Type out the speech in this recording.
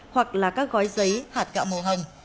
hoặc là các gói giấy hạt gạo màu hồng